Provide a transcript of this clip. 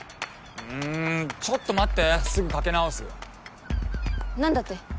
うんちょっと待ってすぐかけ直す何だって？